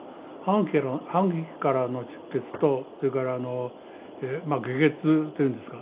歯茎からの出血とそれから下血というんですか。